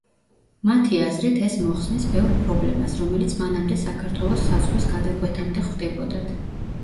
მათი აზრით ეს მოხსნის ბევრ პრობლემას, რომელიც მანამდე საქართველოს საზღვრის გადაკვეთამდე ხვდებოდათ.